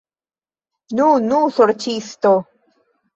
Nu, nu, sorĉisto!